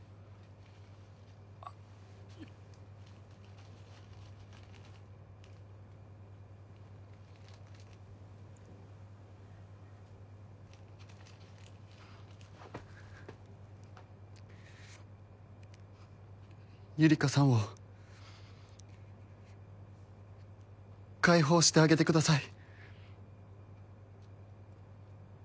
あゆりかさんを解放してあげてください